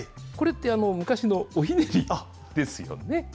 これって、昔のおひねりですよね。